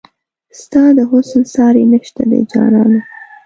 ستا د حسن ساری نشته دی جانانه